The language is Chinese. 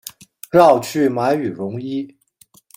绕去买羽绒衣